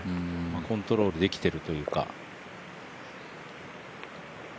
コントロールできてるというか。